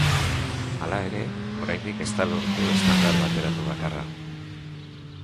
Hala ere, oraindik ez da lortu estandar bateratu bakarra.